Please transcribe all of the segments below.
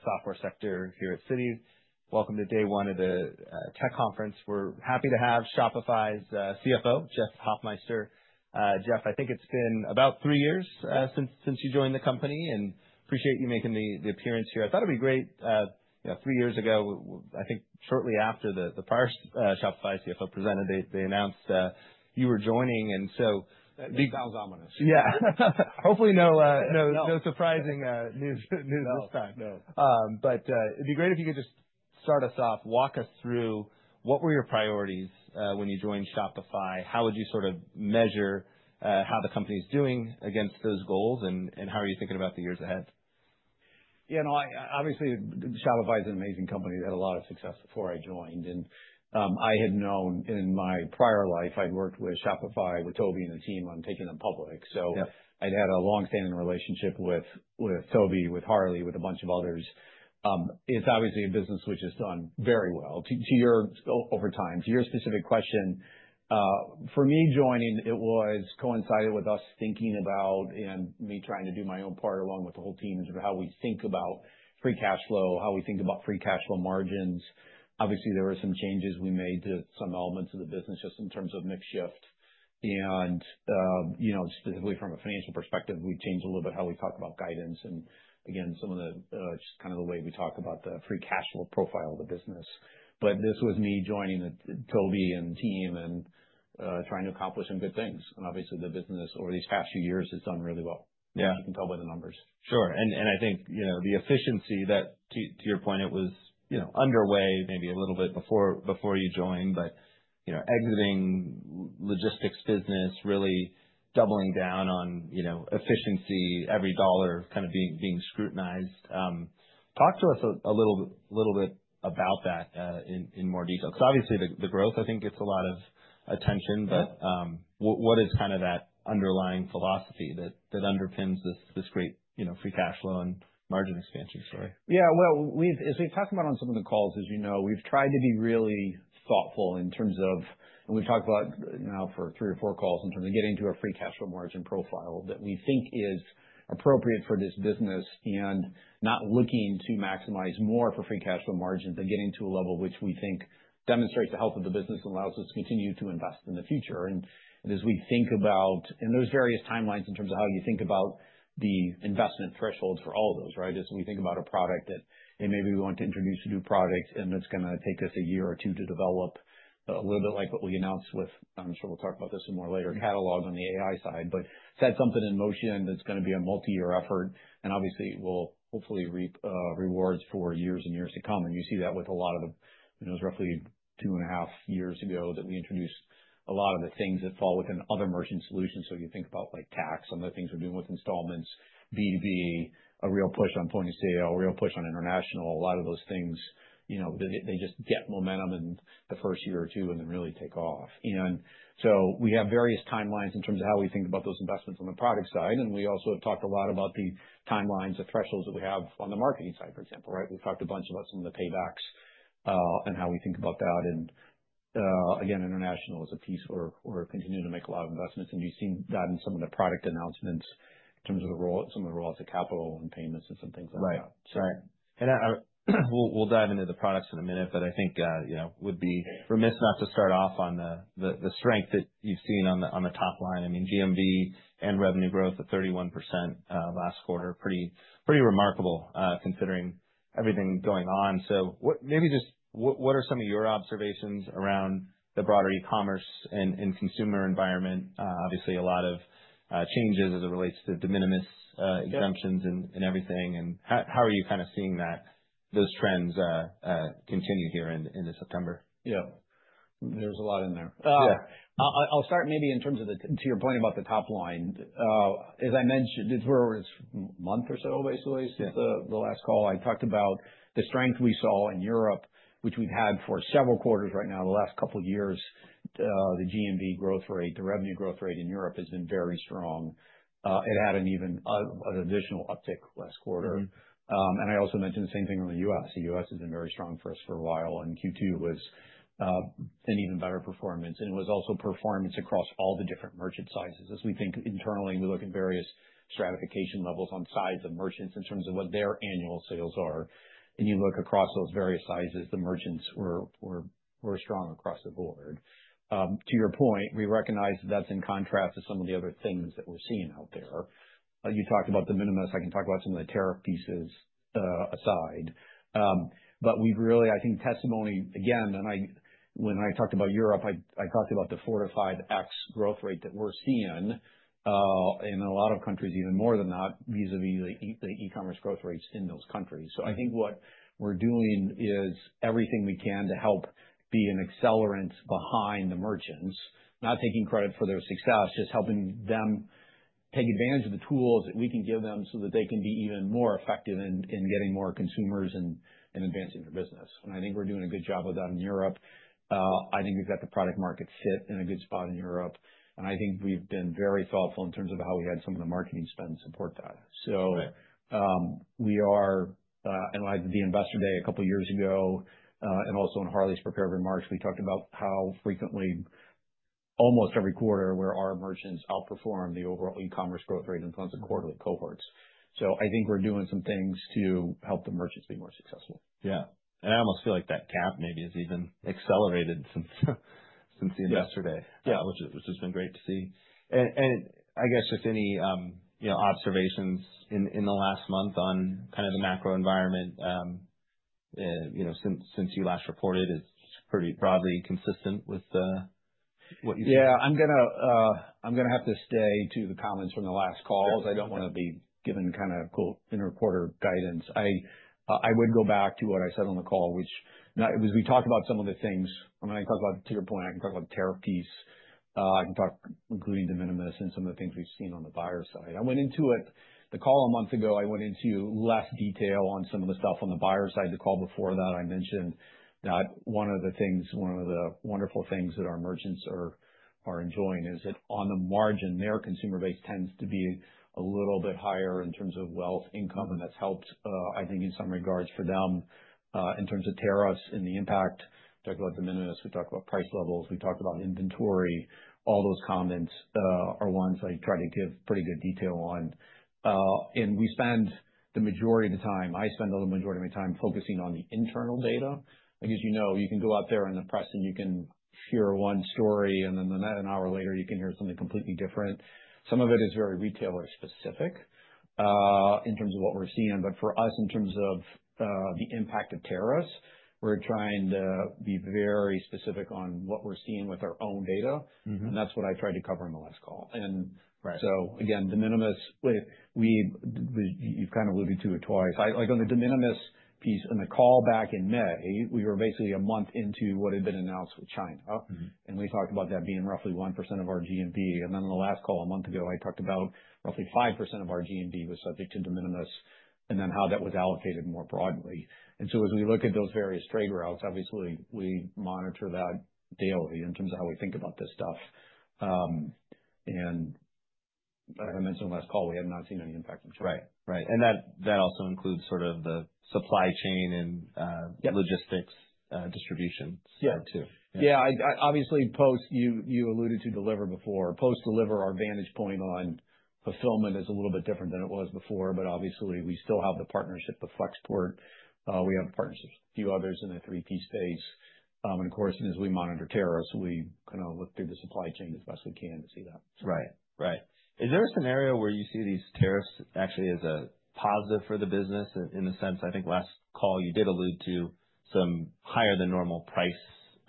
... the software sector here at Citi. Welcome to day one of the tech conference. We're happy to have Shopify's CFO, Jeff Hoffmeister. Jeff, I think it's been about three years since you joined the company, and appreciate you making the appearance here. I thought it'd be great, you know, three years ago I think shortly after the prior Shopify CFO presented, they announced that you were joining, and so- That sounds ominous. Yeah. Hopefully no surprising news this time. No, no. It'd be great if you could just start us off, walk us through what were your priorities when you joined Shopify? How would you sort of measure how the company's doing against those goals? And how are you thinking about the years ahead? Yeah, no, I obviously, Shopify is an amazing company. It had a lot of success before I joined. And I had known in my prior life, I'd worked with Shopify, with Tobi and the team, on taking them public. Yeah. I'd had a long-standing relationship with Tobi, with Harley, with a bunch of others. It's obviously a business which has done very well to you over time. To your specific question, for me joining, it was coincided with us thinking about, and me trying to do my own part, along with the whole team, sort of how we think about free cash flow, how we think about free cash flow margins. Obviously, there were some changes we made to some elements of the business, just in terms of mix shift. You know, specifically from a financial perspective, we've changed a little bit how we talk about guidance, and again, some of the just kind of the way we talk about the free cash flow profile of the business. But this was me joining Tobi and team and, trying to accomplish some good things. And obviously, the business over these past few years has done really well. Yeah. You can tell by the numbers. Sure. And I think, you know, the efficiency that, to your point, it was, you know, underway maybe a little bit before you joined. But, you know, exiting logistics business, really doubling down on, you know, efficiency, every dollar kind of being scrutinized. Talk to us a little bit about that in more detail. Because obviously, the growth, I think, gets a lot of attention- Yeah. But what is kind of that underlying philosophy that underpins this great, you know, free cash flow and margin expansion story? Yeah, well, we've, as we've talked about on some of the calls, as you know, we've tried to be really thoughtful in terms of... And we've talked about now for three or four calls in terms of getting to a free cash flow margin profile that we think is appropriate for this business, and not looking to maximize more for free cash flow margin, but getting to a level which we think demonstrates the health of the business and allows us to continue to invest in the future. And as we think about, and there's various timelines in terms of how you think about the investment thresholds for all of those, right? As we think about a product that, hey, maybe we want to introduce a new product, and it's gonna take us a year or two to develop, a little bit like what we announced with, I'm sure we'll talk about this some more later, catalog on the AI side. But set something in motion that's gonna be a multi-year effort, and obviously will hopefully reap, rewards for years and years to come. And you see that with a lot of the... You know, it was roughly two and a half years ago that we introduced a lot of the things that fall within other merchant solutions. So you think about, like, tax, some of the things we're doing with installments, B2B, a real push on point-of-sale, a real push on international, a lot of those things, you know, they just get momentum in the first year or two and then really take off. And so we have various timelines in terms of how we think about those investments on the product side, and we also have talked a lot about the timelines or thresholds that we have on the marketing side, for example, right? We've talked a bunch about some of the paybacks and how we think about that. And again, international is a piece where we're continuing to make a lot of investments, and you've seen that in some of the product announcements in terms of the role, some of the roles of capital and payments and some things like that. Right. Right. And we'll dive into the products in a minute, but I think, you know, would be remiss not to start off on the strength that you've seen on the top line. I mean, GMV and revenue growth of 31%, last quarter, pretty remarkable, considering everything going on. So what, maybe just what are some of your observations around the broader e-commerce and consumer environment? Obviously a lot of changes as it relates to the de minimis, Yeah... exemptions and everything, and how are you kind of seeing that, those trends continue here into September? Yeah. There's a lot in there. Yeah. I'll start maybe in terms of to your point about the top line. As I mentioned, it was a month or so ago, since the- Yeah... the last call. I talked about the strength we saw in Europe, which we've had for several quarters right now. The last couple of years, the GMV growth rate, the revenue growth rate in Europe has been very strong. It had an even, an additional uptick last quarter. Mm-hmm. And I also mentioned the same thing in the US. The US has been very strong for us for a while, and Q2 was an even better performance, and it was also performance across all the different merchant sizes. As we think internally, we look at various stratification levels on size of merchants in terms of what their annual sales are, and you look across those various sizes, the merchants were strong across the board. To your point, we recognize that's in contrast to some of the other things that we're seeing out there. You talked about de minimis. I can talk about some of the tariff pieces, aside. But we've really, I think, testament again, and when I talked about Europe, I talked about the 4x growth rate that we're seeing in a lot of countries, even more than that, vis-a-vis the e-commerce growth rates in those countries. Mm-hmm. So I think what we're doing is everything we can to help be an accelerant behind the merchants. Not taking credit for their success, just helping them take advantage of the tools that we can give them, so that they can be even more effective in getting more consumers and advancing their business. And I think we're doing a good job with that in Europe. I think we've got the product market fit in a good spot in Europe, and I think we've been very thoughtful in terms of how we had some of the marketing spend support that. Right. So, like the investor day a couple of years ago, and also in Harley's prepared remarks, we talked about how frequently almost every quarter where our merchants outperform the overall e-commerce growth rate in terms of quarterly cohorts. So I think we're doing some things to help the merchants be more successful. Yeah. And I almost feel like that gap maybe has even accelerated since the investor day. Yeah. Which has been great to see. And I guess just any, you know, observations in the last month on kind of the macro environment. You know, since you last reported, it's pretty broadly consistent with the, what you- Yeah. I'm gonna have to stay to the comments from the last call. Sure. 'Cause I don't wanna be giving kind of, quote, inter quarter guidance. I would go back to what I said on the call, which, now, as we talked about some of the things, when I talk about to your point, I can talk about tariff piece. I can talk including de minimis and some of the things we've seen on the buyer side. I went into it, the call a month ago, I went into less detail on some of the stuff on the buyer side. The call before that, I mentioned that one of the wonderful things that our merchants are enjoying is that on the margin, their consumer base tends to be a little bit higher in terms of wealth, income, and that's helped, I think, in some regards for them. In terms of tariffs and the impact, we talked about de minimis, we talked about price levels, we talked about inventory. All those comments are ones I try to give pretty good detail on. And we spend the majority of the time, I spend the majority of my time focusing on the internal data. And as you know, you can go out there in the press, and you can hear one story, and then an hour later, you can hear something completely different. Some of it is very retailer specific in terms of what we're seeing. But for us, in terms of the impact of tariffs, we're trying to be very specific on what we're seeing with our own data. Mm-hmm. That's what I tried to cover on the last call. Right. And so again, de minimis, we've kind of alluded to it twice. I like, on the de minimis piece, on the call back in May, we were basically a month into what had been announced with China. Mm-hmm. And we talked about that being roughly 1% of our GMV. And then, on the last call a month ago, I talked about roughly 5% of our GMV was subject to de minimis, and then how that was allocated more broadly. And so as we look at those various trade routes, obviously, we monitor that daily in terms of how we think about this stuff. And as I mentioned on last call, we have not seen any impact on China. Right. Right, and that also includes sort of the supply chain and Yeah... logistics, distribution- Yeah -part, too. Yeah. I obviously, as you alluded to Deliverr before. Post Deliverr, our vantage point on fulfillment is a little bit different than it was before, but obviously we still have the partnership with Flexport. We have partnerships with a few others in the 3PL space. And of course, as we monitor tariffs, we kind of look through the supply chain as best we can to see that. Right. Right. Is there a scenario where you see these tariffs actually as a positive for the business in a sense? I think last call you did allude to some higher than normal price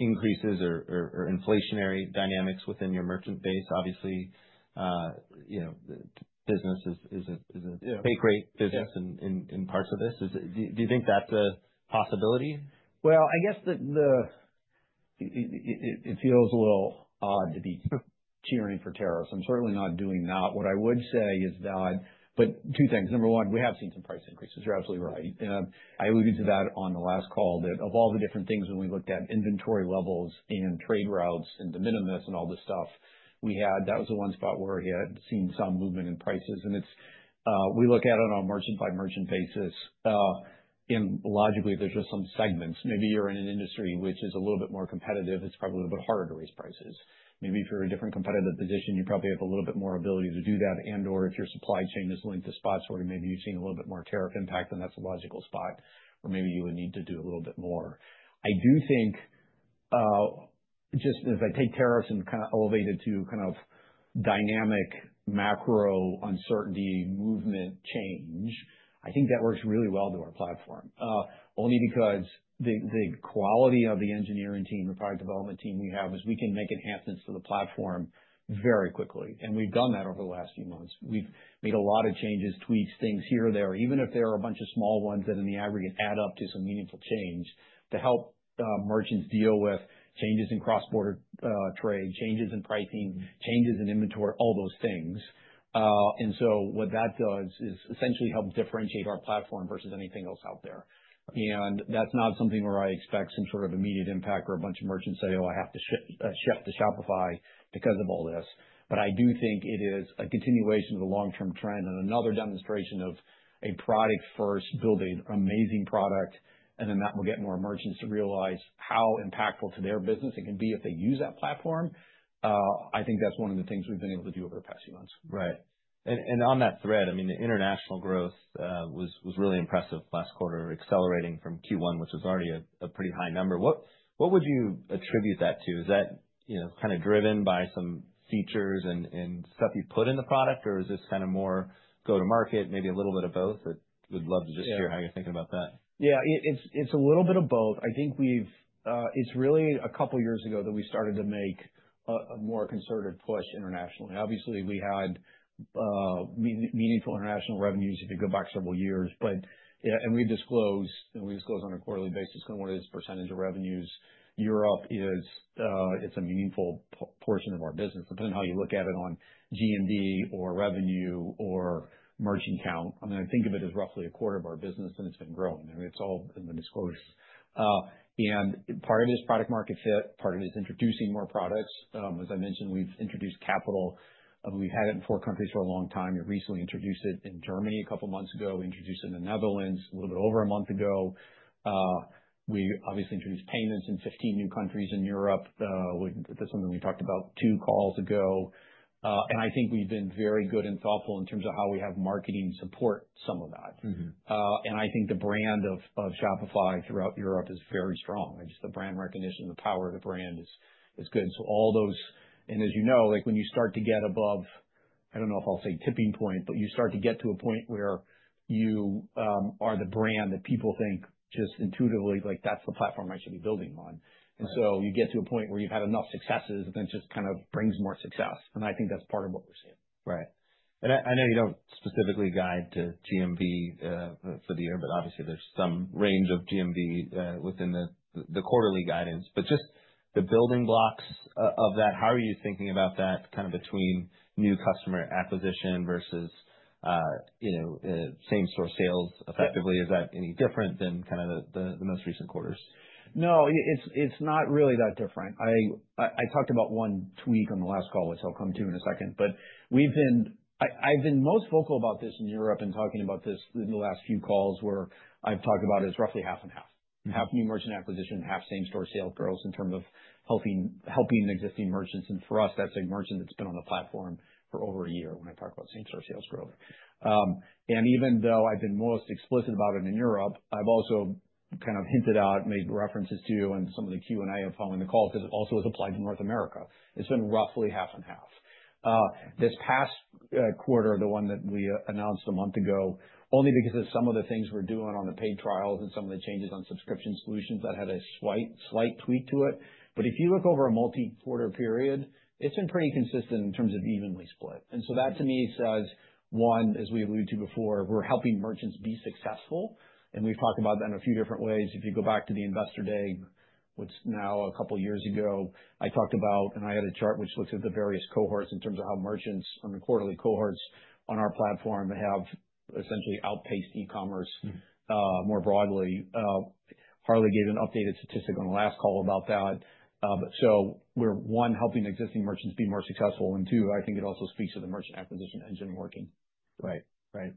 increases or inflationary dynamics within your merchant base. Obviously, you know, business is a- Yeah take rate business in parts of this. Is it... Do you think that's a possibility? Well, I guess it feels a little odd to be cheering for tariffs. I'm certainly not doing that. What I would say is that. But two things. Number one, we have seen some price increases. You're absolutely right. I alluded to that on the last call, that of all the different things when we looked at inventory levels and trade routes and de minimis and all this stuff, we had. That was the one spot where we had seen some movement in prices. And it's, we look at it on a merchant-by-merchant basis. And logically, there's just some segments. Maybe you're in an industry which is a little bit more competitive, it's probably a little bit harder to raise prices. Maybe if you're a different competitive position, you probably have a little bit more ability to do that and/or if your supply chain is linked to spots where maybe you've seen a little bit more tariff impact, then that's a logical spot, or maybe you would need to do a little bit more. I do think, just as I take tariffs and kind of elevate it to kind of dynamic macro uncertainty movement change, I think that works really well to our platform. Only because the quality of the engineering team, the product development team we have, is we can make enhancements to the platform very quickly, and we've done that over the last few months. We've made a lot of changes, tweaks, things here or there, even if there are a bunch of small ones that, in the aggregate, add up to some meaningful change, to help merchants deal with changes in cross-border trade, changes in pricing, changes in inventory, all those things, and so what that does is essentially helps differentiate our platform versus anything else out there, and that's not something where I expect some sort of immediate impact or a bunch of merchants say, "Oh, I have to shift to Shopify because of all this," but I do think it is a continuation of the long-term trend and another demonstration of a product first, building amazing product, and then that will get more merchants to realize how impactful to their business it can be if they use that platform. I think that's one of the things we've been able to do over the past few months. Right. On that thread, I mean, the international growth was really impressive last quarter, accelerating from Q1, which was already a pretty high number. What would you attribute that to? Is that, you know, kind of driven by some features and stuff you put in the product, or is this kind of more go to market? Maybe a little bit of both, but would love to just hear- Yeah how you're thinking about that. Yeah, it's a little bit of both. I think we've. It's really a couple of years ago that we started to make a more concerted push internationally. Obviously, we had meaningful international revenues if you go back several years. But yeah, and we disclose on a quarterly basis kind of what is percentage of revenues. Europe is a meaningful portion of our business, depending on how you look at it, on GMV or revenue or merchant count. I mean, I think of it as roughly a quarter of our business, and it's been growing. I mean, it's all in the disclosures. And part of it is product market fit, part of it is introducing more products. As I mentioned, we've introduced capital. We've had it in four countries for a long time, and recently introduced it in Germany a couple of months ago. We introduced it in the Netherlands a little bit over a month ago. We obviously introduced payments in 15 new countries in Europe. That's something we talked about two calls ago. And I think we've been very good and thoughtful in terms of how we have marketing support some of that. Mm-hmm. and I think the brand of Shopify throughout Europe is very strong. I just, the brand recognition, the power of the brand is good. So all those... And as you know, like, when you start to get above, I don't know if I'll say tipping point, but you start to get to a point where you are the brand that people think just intuitively, like, "That's the platform I should be building on. Right. And so you get to a point where you've had enough successes, and it just kind of brings more success, and I think that's part of what we're seeing. Right. And I know you don't specifically guide to GMV for the year, but obviously there's some range of GMV within the quarterly guidance. But just the building blocks of that, how are you thinking about that, kind of between new customer acquisition versus, you know, same-store sales effectively? Yeah. Is that any different than kind of the most recent quarters? No, it's not really that different. I talked about one tweak on the last call, which I'll come to in a second, but I've been most vocal about this in Europe and talking about this in the last few calls, where I've talked about it as roughly half and half. Half new merchant acquisition, half same-store sales growth in terms of helping existing merchants, and for us, that's a merchant that's been on the platform for over a year when I talk about same-store sales growth, and even though I've been most explicit about it in Europe, I've also kind of hinted at, made references to, on some of the Q&A following the calls, 'cause it also is applied to North America. It's been roughly half and half. This past quarter, the one that we announced a month ago, only because of some of the things we're doing on the paid trials and some of the changes on subscription solutions, that had a slight, slight tweak to it. But if you look over a multi-quarter period, it's been pretty consistent in terms of evenly split. And so that, to me, says, one, as we alluded to before, we're helping merchants be successful. And we've talked about that in a few different ways. If you go back to the Investor Day, which now a couple of years ago, I talked about, and I had a chart which looks at the various cohorts in terms of how merchants on the quarterly cohorts on our platform have essentially outpaced e-commerce more broadly. Harley gave an updated statistic on the last call about that. So we're one, helping existing merchants be more successful, and two, I think it also speaks to the merchant acquisition engine working. Right. Right.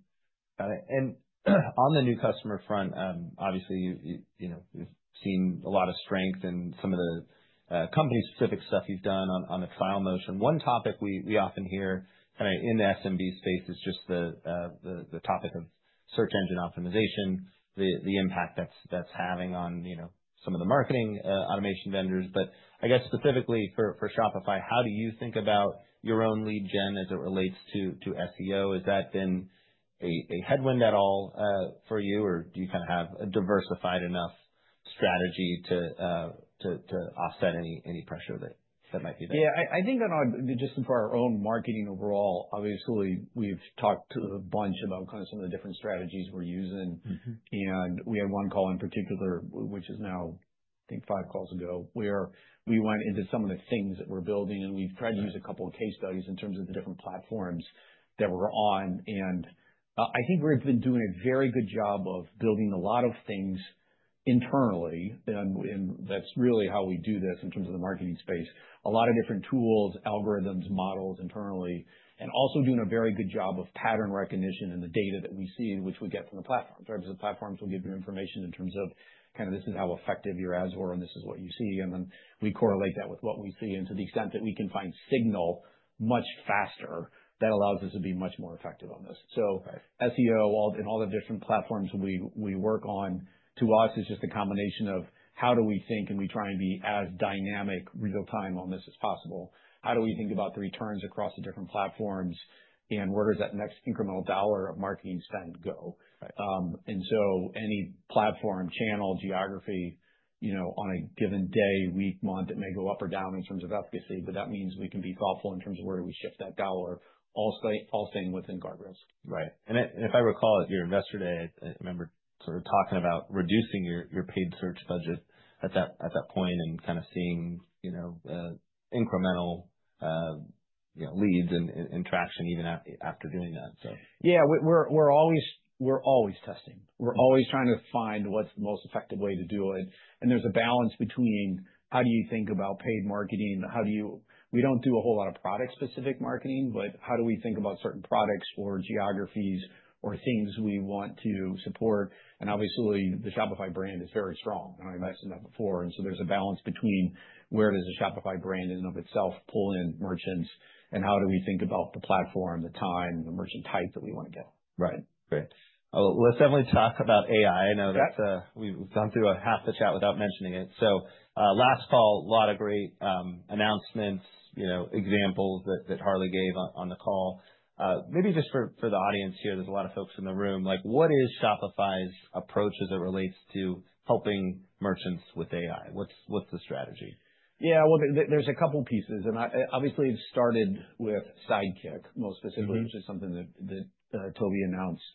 And on the new customer front, obviously, you know, we've seen a lot of strength in some of the company-specific stuff you've done on the trial motion. One topic we often hear, kind of in the SMB space, is just the topic of search engine optimization, the impact that's having on, you know, some of the marketing automation vendors. But I guess specifically for Shopify, how do you think about your own lead gen as it relates to SEO? Has that been a headwind at all, for you, or do you kind of have a diversified enough strategy to offset any pressure that might be there? Yeah, I think that, just for our own marketing overall, obviously, we've talked a bunch about kind of some of the different strategies we're using. Mm-hmm. And we had one call in particular, which is now, I think, five calls ago, where we went into some of the things that we're building, and we've tried to use a couple of case studies in terms of the different platforms that we're on. And, I think we've been doing a very good job of building a lot of things internally, and, and that's really how we do this in terms of the marketing space. A lot of different tools, algorithms, models internally, and also doing a very good job of pattern recognition in the data that we see, which we get from the platform. In terms of the platforms, we'll give you information in terms of kind of, this is how effective your ads were, and this is what you see, and then we correlate that with what we see. To the extent that we can find signal much faster, that allows us to be much more effective on this. Right. SEO, all the different platforms we work on, to us, is just a combination of how we think, and we try and be as dynamic, real time on this as possible. How do we think about the returns across the different platforms, and where does that next incremental dollar of marketing spend go? Right. And so any platform, channel, geography, you know, on a given day, week, month, it may go up or down in terms of efficacy, but that means we can be thoughtful in terms of where we shift that dollar, all staying within guardrails. Right. And if I recall, at your Investor Day, I remember sort of talking about reducing your paid search budget at that point and kind of seeing, you know, incremental, you know, leads and traction even after doing that, so. Yeah, we're always testing. We're always trying to find what's the most effective way to do it. And there's a balance between how do you think about paid marketing? We don't do a whole lot of product-specific marketing, but how do we think about certain products or geographies or things we want to support? And obviously, the Shopify brand is very strong, and I've mentioned that before. And so there's a balance between where does the Shopify brand kick in and of itself pull in merchants, and how do we think about the platform, the time, the merchant type that we want to get? Right. Great. Let's definitely talk about AI. Sure. I know that's. We've gone through half the chat without mentioning it. So, last fall, a lot of great announcements, you know, examples that Harley gave on the call. Maybe just for the audience here, there's a lot of folks in the room, like, what is Shopify's approach as it relates to helping merchants with AI? What's the strategy? Yeah, well, there, there's a couple pieces, and I obviously, it started with Sidekick, most specifically- Mm-hmm... which is something that Tobi announced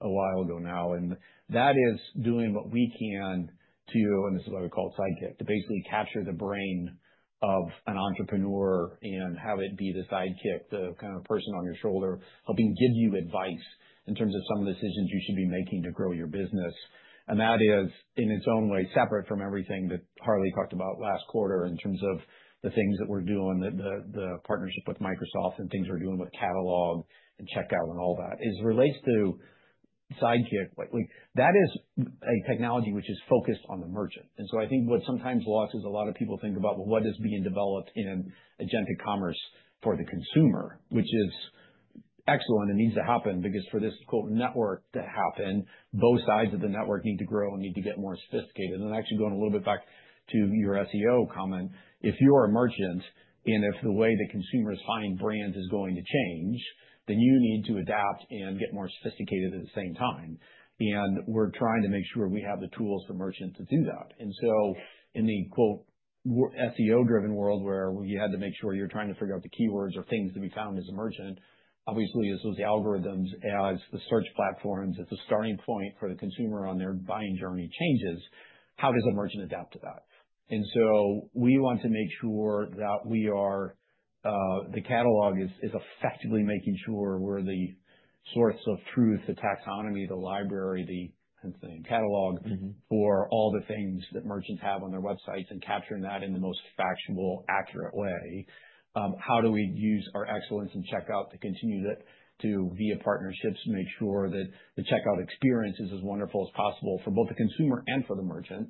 a while ago now, and that is doing what we can to, and this is why we call it Sidekick, to basically capture the brain of an entrepreneur and have it be the sidekick, the kind of person on your shoulder, helping give you advice in terms of some of the decisions you should be making to grow your business. And that is, in its own way, separate from everything that Harley talked about last quarter in terms of the things that we're doing, the partnership with Microsoft and things we're doing with catalog and checkout, and all that. As it relates to Sidekick, like, we, that is a technology which is focused on the merchant. And so I think what sometimes lost is a lot of people think about, well, what is being developed in agentic commerce for the consumer? Which is excellent and needs to happen, because for this, quote, "network" to happen, both sides of the network need to grow and need to get more sophisticated. And then actually going a little bit back to your SEO comment, if you are a merchant, and if the way that consumers find brands is going to change, then you need to adapt and get more sophisticated at the same time. And we're trying to make sure we have the tools for merchants to do that. And so in the, quote, "SEO-driven world," where you had to make sure you're trying to figure out the keywords or things to be found as a merchant, obviously, as those algorithms, as the search platforms, as the starting point for the consumer on their buying journey changes, how does a merchant adapt to that? And so we want to make sure that we are, the catalog is effectively making sure we're the source of truth, the taxonomy, the library, the, hence the catalog, for all the things that merchants have on their websites and capturing that in the most factual, accurate way. How do we use our excellence in checkout to continue to via partnerships, make sure that the checkout experience is as wonderful as possible for both the consumer and for the merchant?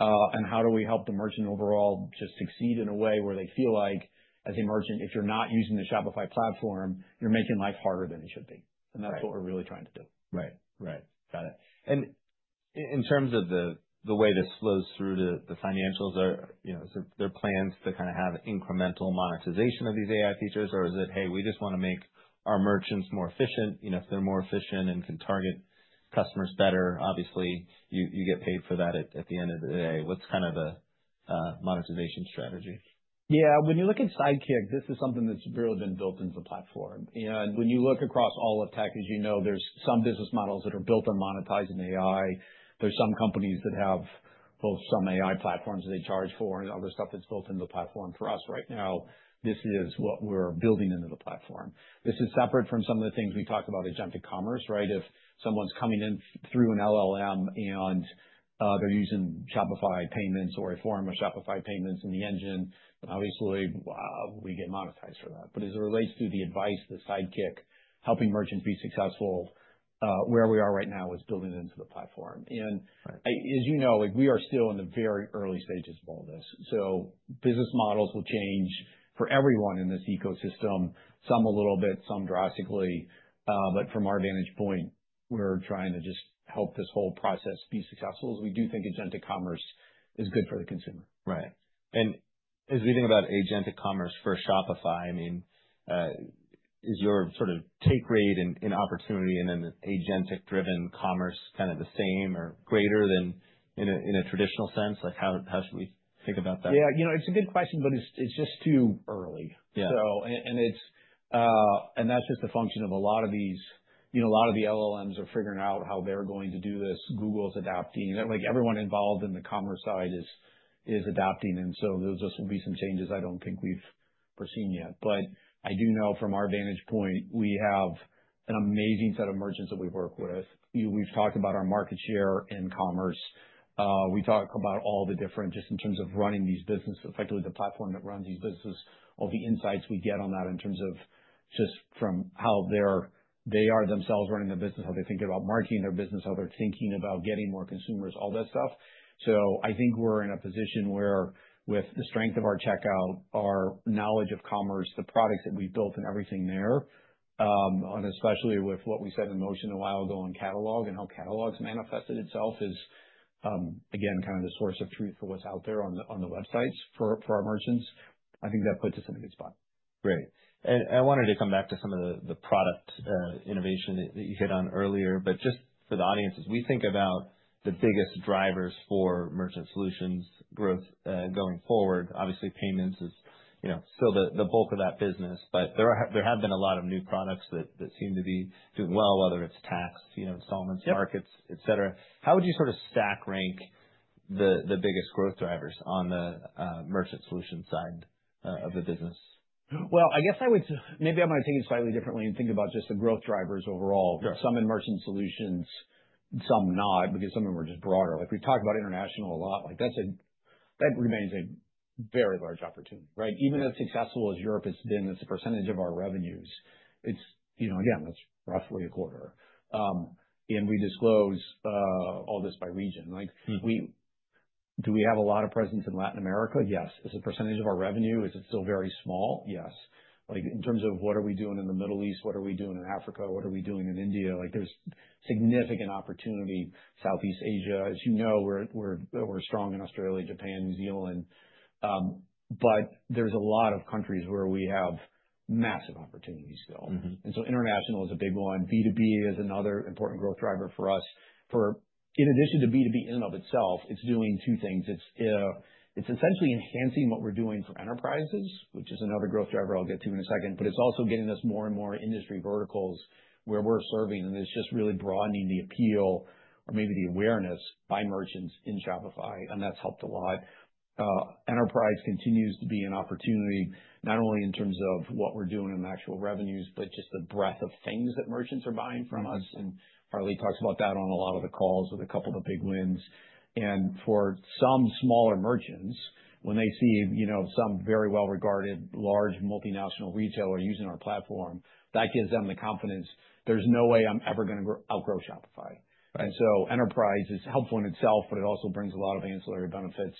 And how do we help the merchant overall just succeed in a way where they feel like, as a merchant, if you're not using the Shopify platform, you're making life harder than it should be. Right. That's what we're really trying to do. Right. Right. Got it. And in terms of the way this flows through to the financials, you know, so there are plans to kind of have incremental monetization of these AI features? Or is it, "Hey, we just want to make our merchants more efficient," you know, if they're more efficient and can target customers better, obviously, you get paid for that at the end of the day. What's kind of a monetization strategy? Yeah, when you look at Sidekick, this is something that's really been built into the platform. You know, and when you look across all of tech, as you know, there's some business models that are built on monetizing AI. There's some companies that have both some AI platforms they charge for and other stuff that's built into the platform. For us, right now, this is what we're building into the platform. This is separate from some of the things we talked about agentic commerce, right? If someone's coming in through an LLM and, they're using Shopify Payments or a form of Shopify Payments in the engine, obviously, we get monetized for that. But as it relates to the advice, the Sidekick, helping merchants be successful, where we are right now is building it into the platform. Right. As you know, like, we are still in the very early stages of all this, so business models will change for everyone in this ecosystem, some a little bit, some drastically, but from our vantage point, we're trying to just help this whole process be successful, as we do think agentic commerce is good for the consumer. Right. And as we think about agentic commerce for Shopify, I mean, is your sort of take rate in opportunity in an agentic-driven commerce kind of the same or greater than in a traditional sense? Like, how should we think about that? Yeah, you know, it's a good question, but it's just too early. Yeah. And that's just a function of a lot of these. You know, a lot of the LLMs are figuring out how they're going to do this. Google is adapting. Like, everyone involved in the commerce side is adapting, and so there'll just be some changes I don't think we've foreseen yet. But I do know from our vantage point, we have an amazing set of merchants that we work with. We've talked about our market share in commerce. We talk about all the different, just in terms of running these businesses, effectively, the platform that runs these businesses, all the insights we get on that in terms of just from how they are themselves running a business, how they think about marketing their business, how they're thinking about getting more consumers, all that stuff. I think we're in a position where, with the strength of our checkout, our knowledge of commerce, the products that we've built and everything there, and especially with what we set in motion a while ago on catalog and how catalog's manifested itself, is again kind of the source of truth for what's out there on the websites for our merchants. I think that puts us in a good spot. Great. And I wanted to come back to some of the product innovation that you hit on earlier. But just for the audience, as we think about the biggest drivers for merchant solutions growth going forward, obviously, payments is you know still the bulk of that business, but there have been a lot of new products that seem to be doing well, whether it's tax you know installments markets- Yeah. Et cetera. How would you sort of stack rank the biggest growth drivers on the merchant solutions side of the business? Maybe I might take it slightly differently and think about just the growth drivers overall. Sure. Some in merchant solutions, some not, because some of them are just broader. Like, we talk about international a lot, like, that remains a very large opportunity, right? Even as successful as Europe has been, as a percentage of our revenues, it's, you know, again, that's roughly a quarter, and we disclose all this by region. Like- Mm-hmm. Do we have a lot of presence in Latin America? Yes. As a percentage of our revenue, is it still very small? Yes. Like, in terms of what are we doing in the Middle East, what are we doing in Africa, what are we doing in India? Like, there's significant opportunity. Southeast Asia, as you know, we're strong in Australia, Japan, New Zealand, but there's a lot of countries where we have massive opportunities to go. Mm-hmm. International is a big one. B2B is another important growth driver for us. In addition to B2B in and of itself, it's doing two things: It's essentially enhancing what we're doing for enterprises, which is another growth driver I'll get to in a second, but it's also getting us more and more industry verticals where we're serving, and it's just really broadening the appeal or maybe the awareness by merchants in Shopify, and that's helped a lot. Enterprise continues to be an opportunity, not only in terms of what we're doing in the actual revenues, but just the breadth of things that merchants are buying from us, and Harley talks about that on a lot of the calls with a couple of the big wins. And for some smaller merchants, when they see, you know, some very well-regarded, large multinational retailer using our platform, that gives them the confidence, "There's no way I'm ever gonna outgrow Shopify." And so enterprise is helpful in itself, but it also brings a lot of ancillary benefits.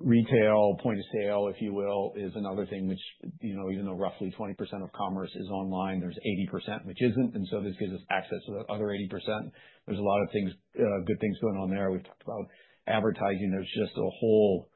Retail, point of sale, if you will, is another thing which, you know, even though roughly 20% of commerce is online, there's 80% which isn't, and so this gives us access to the other 80%. There's a lot of things, good things going on there. We've talked about advertising. There's just a whole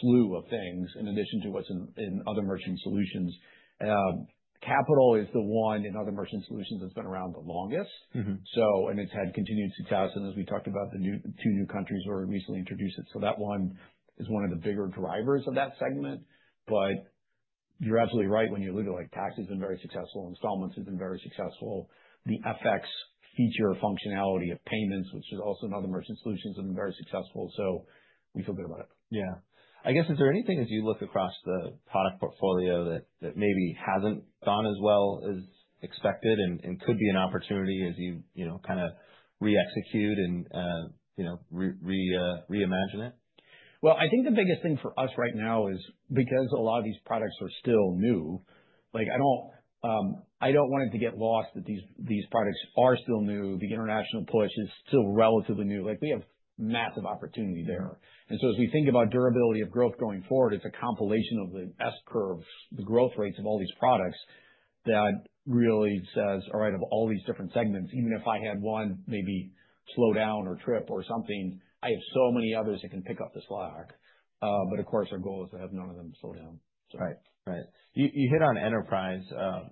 slew of things in addition to what's in other merchant solutions. Capital is the one in other merchant solutions that's been around the longest. Mm-hmm. So, and it's had continued success, and as we talked about, the two new countries where we recently introduced it. So that one is one of the bigger drivers of that segment. But you're absolutely right when you look at, like, tax has been very successful, installments have been very successful. The FX feature functionality of payments, which is also in other merchant solutions, have been very successful, so we feel good about it. Yeah. I guess, is there anything as you look across the product portfolio that maybe hasn't gone as well as expected and could be an opportunity as you know, kind of re-execute and, you know, reimagine it? I think the biggest thing for us right now is because a lot of these products are still new, like, I don't, I don't want it to get lost that these, these products are still new. The international push is still relatively new. Like, we have massive opportunity there. And so as we think about durability of growth going forward, it's a compilation of the S curves, the growth rates of all these products, that really says: All right, of all these different segments, even if I had one maybe slow down or trip or something, I have so many others that can pick up the slack. But of course, our goal is to have none of them slow down. Right. You hit on enterprise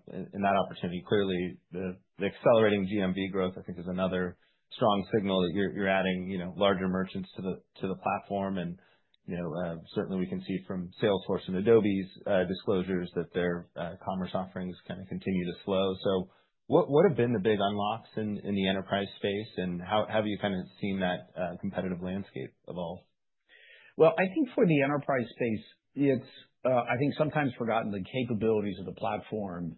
and that opportunity. Clearly, the accelerating GMV growth, I think, is another strong signal that you're adding, you know, larger merchants to the platform. And, you know, certainly we can see from Salesforce and Adobe's disclosures that their commerce offerings kind of continue to slow. So what have been the big unlocks in the enterprise space, and how have you kind of seen that competitive landscape evolve? I think for the enterprise space, it's, I think sometimes forgotten the capabilities of the platform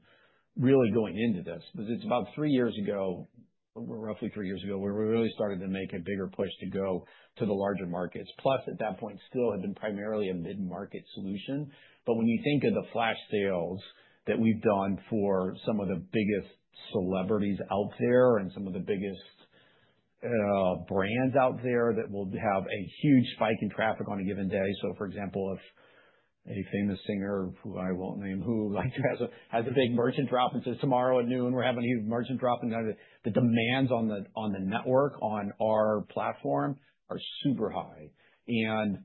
really going into this, 'cause it's about three years ago, roughly three years ago, where we really started to make a bigger push to go to the larger markets. Plus, at that point, still had been primarily a mid-market solution. But when you think of the flash sales that we've done for some of the biggest celebrities out there and some of the biggest brands out there, that will have a huge spike in traffic on a given day. So, for example, if a famous singer, who I won't name, who, like, has a big merchant drop and says, "Tomorrow at noon, we're having a huge merchant drop," and the demands on the network, on our platform are super high. And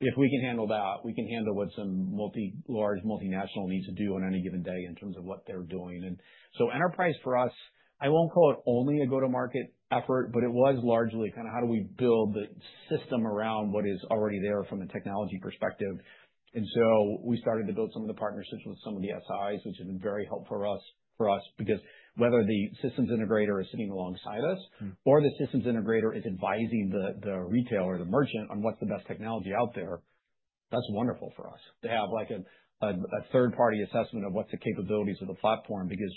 if we can handle that, we can handle what some multi-large multinational needs to do on any given day in terms of what they're doing. And so enterprise for us, I won't call it only a go-to-market effort, but it was largely kind of how do we build the system around what is already there from a technology perspective. And so we started to build some of the partnerships with some of the SIs, which has been very helpful for us, because whether the systems integrator is sitting alongside us or the systems integrator is advising the retailer or the merchant on what's the best technology out there, that's wonderful for us. To have like a third-party assessment of what's the capabilities of the platform, because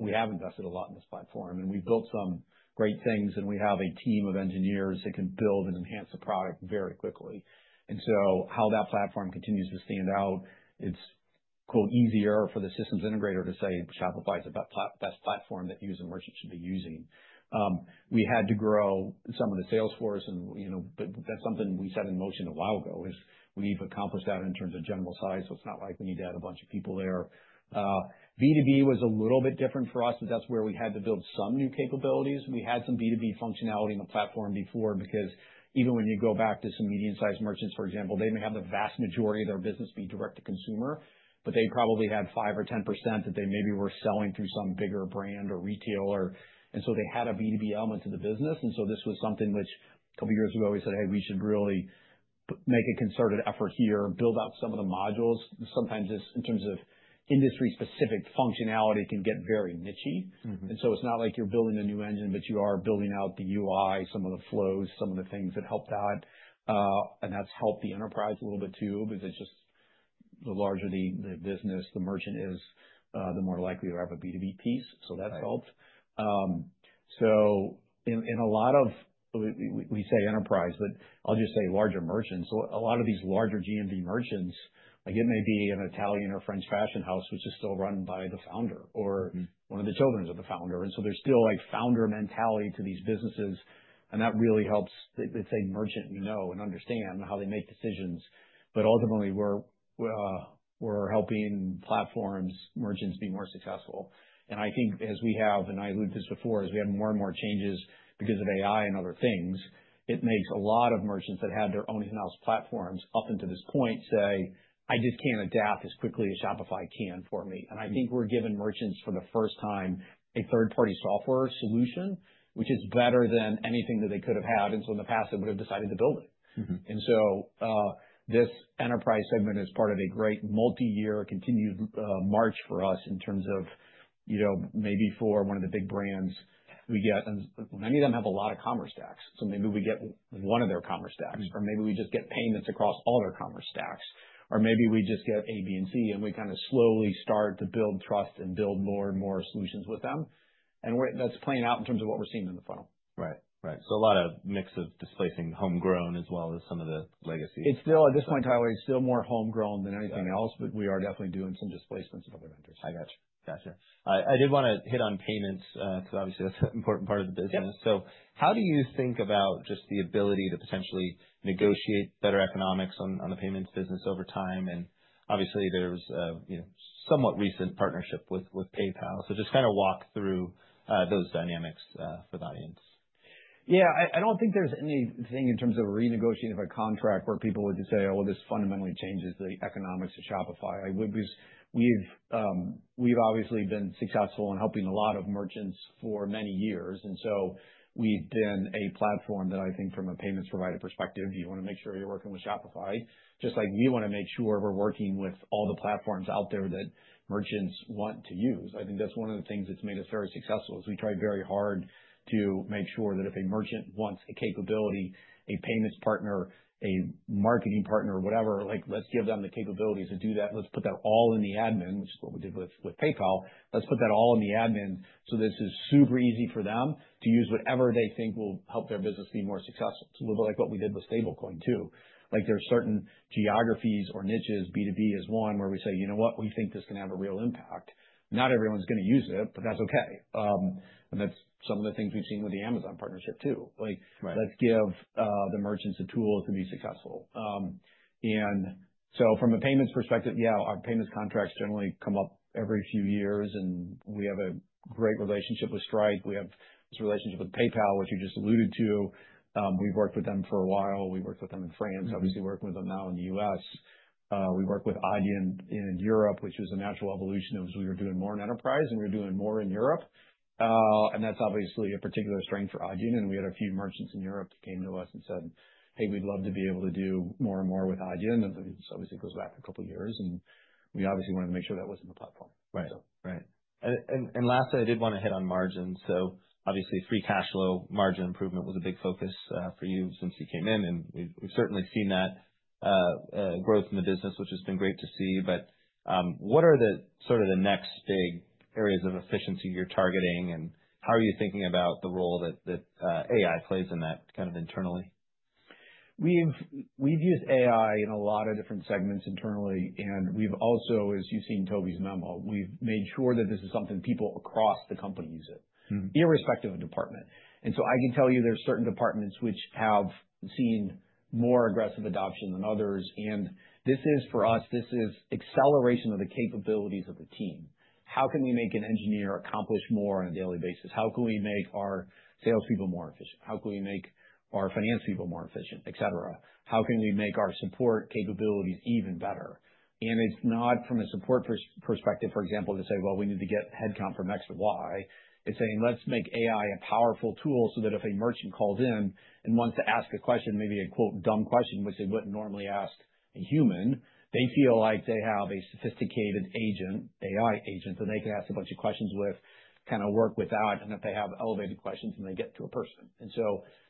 we have invested a lot in this platform, and we've built some great things, and we have a team of engineers that can build and enhance the product very quickly. So how that platform continues to stand out, it's "easier" for the systems integrator to say Shopify is the best platform that you as a merchant should be using. We had to grow some of the sales force and, you know, but that's something we set in motion a while ago; we've accomplished that in terms of general size, so it's not like we need to add a bunch of people there. B2B was a little bit different for us, but that's where we had to build some new capabilities. We had some B2B functionality in the platform before, because even when you go back to some medium-sized merchants, for example, they may have the vast majority of their business be direct-to-consumer, but they probably had 5% or 10% that they maybe were selling through some bigger brand or retailer, and so they had a B2B element to the business, and so this was something which a couple of years ago, we said: "Hey, we should really make a concerted effort here and build out some of the modules." Sometimes just in terms of industry-specific functionality, can get very nichey. Mm-hmm. And so it's not like you're building a new engine, but you are building out the UI, some of the flows, some of the things that help that, and that's helped the enterprise a little bit, too, because it's just the larger the business, the merchant is, the more likely to have a B2B piece, so that helps. So in a lot of... we say enterprise, but I'll just say larger merchants. So a lot of these larger GMV merchants, like it may be an Italian or French fashion house, which is still run by the founder or- Mm. one of the children of the founder, and so there's still a founder mentality to these businesses, and that really helps. It's a merchant you know and understand how they make decisions. But ultimately, we're, we're helping platforms, merchants be more successful. And I think as we have, and I alluded this before, as we have more and more changes because of AI and other things, it makes a lot of merchants that had their own in-house platforms up until this point say, "I just can't adapt as quickly as Shopify can for me." And I think we're giving merchants, for the first time, a third-party software solution, which is better than anything that they could have had, and so in the past, they would have decided to build it. Mm-hmm. And so, this enterprise segment is part of a great multi-year continued march for us in terms of, you know, maybe for one of the big brands we get, and many of them have a lot of commerce stacks, so maybe we get one of their commerce stacks, or maybe we just get payments across all their commerce stacks, or maybe we just get A, B, and C, and we kind of slowly start to build trust and build more and more solutions with them. And we're. That's playing out in terms of what we're seeing in the funnel. Right. Right. So a lot of mix of displacing homegrown as well as some of the legacy. It's still, at this point, Tyler, it's still more homegrown than anything else, but we are definitely doing some displacements of other vendors. I got you. Gotcha. I did wanna hit on payments, because obviously, that's an important part of the business. Yep. So how do you think about just the ability to potentially negotiate better economics on the payments business over time? And obviously there's a, you know, somewhat recent partnership with PayPal. So just kind of walk through those dynamics for the audience. Yeah, I don't think there's anything in terms of renegotiating of a contract where people would just say, "Oh, well, this fundamentally changes the economics to Shopify." We've obviously been successful in helping a lot of merchants for many years, and so we've been a platform that I think from a payments provider perspective, you wanna make sure you're working with Shopify, just like we wanna make sure we're working with all the platforms out there that merchants want to use. I think that's one of the things that's made us very successful, is we try very hard to make sure that if a merchant wants a capability, a payments partner, a marketing partner, or whatever, like, let's give them the capabilities to do that. Let's put that all in the admin, which is what we did with PayPal. Let's put that all in the admin, so this is super easy for them to use whatever they think will help their business be more successful. So like what we did with Stablecoin, too. Like, there are certain geographies or niches, B2B is one, where we say: You know what? We think this can have a real impact. Not everyone's gonna use it, but that's okay, and that's some of the things we've seen with the Amazon partnership, too. Right. Like, let's give the merchants the tools to be successful. And so from a payments perspective, yeah, our payments contracts generally come up every few years, and we have a great relationship with Stripe. We have this relationship with PayPal, which you just alluded to. We've worked with them for a while. We worked with them in France. Mm-hmm. Obviously, working with them now in the U.S. We work with Adyen in Europe, which is a natural evolution, as we are doing more in enterprise and we're doing more in Europe, and that's obviously a particular strength for Adyen, and we had a few merchants in Europe that came to us and said, "Hey, we'd love to be able to do more and more with Adyen," and this obviously goes back a couple years, and we obviously wanted to make sure that was in the platform. Right. And lastly, I did want to hit on margin. So obviously, free cash flow margin improvement was a big focus for you since you came in, and we've certainly seen that growth in the business, which has been great to see. But what are the sort of next big areas of efficiency you're targeting, and how are you thinking about the role that AI plays in that, kind of internally? We've used AI in a lot of different segments internally, and we've also, as you've seen in Tobi's memo, we've made sure that this is something people across the company use it- Mm-hmm. irrespective of department, and so I can tell you there are certain departments which have seen more aggressive adoption than others, and this is, for us, this is acceleration of the capabilities of the team. How can we make an engineer accomplish more on a daily basis? How can we make our salespeople more efficient? How can we make our finance people more efficient, et cetera? How can we make our support capabilities even better? It's not from a support perspective, for example, to say, "Well, we need to get headcount from X to Y." It's saying: Let's make AI a powerful tool, so that if a merchant calls in and wants to ask a question, maybe a quote, dumb question, which they wouldn't normally ask a human, they feel like they have a sophisticated agent, AI agent, that they can ask a bunch of questions with, kind of work with that, and if they have elevated questions, then they get to a person.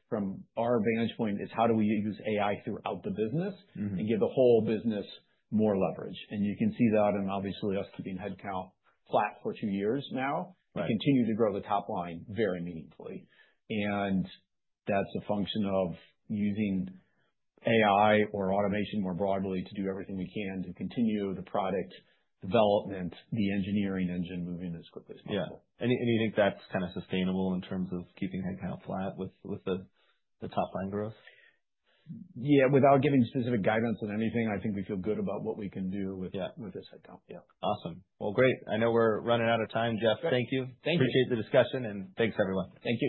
From our vantage point is, how do we use AI throughout the business. Mm-hmm. - and give the whole business more leverage? And you can see that in, obviously, us keeping headcount flat for two years now. Right. We continue to grow the top line very meaningfully, and that's a function of using AI or automation more broadly to do everything we can to continue the product development, the engineering engine moving as quickly as possible. Yeah. You think that's kind of sustainable in terms of keeping headcount flat with the top line growth? Yeah. Without giving specific guidance on anything, I think we feel good about what we can do with- Yeah. with this headcount. Yeah. Awesome. Well, great! I know we're running out of time, Jeff. Good. Thank you. Thank you. Appreciate the discussion, and thanks, everyone. Thank you.